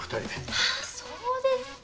はぁそうですか。